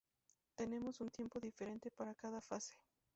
Tenemos un tiempo diferente para cada fase.